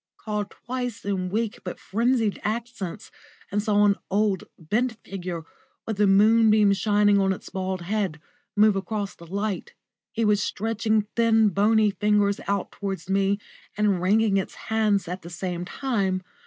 called twice in weak but frenzied accents, and saw an old, bent figure, with the moonbeams shining on its bald head, move across the light. It was stretching thin, bony fingers out towards me, and wringing its hands at the same time.